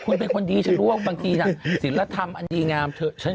คุณเป็นคนดีเสรั่วบางทีสิรธรรมอันดีงาม